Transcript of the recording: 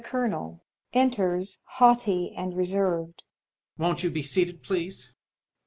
Colonel. [Enters, haughty and reserved] Won't you be seated, please?